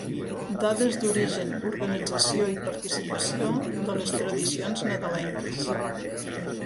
Dades d'origen, organització i participació de les tradicions nadalenques.